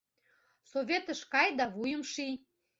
— Советыш кай да вуйым ший.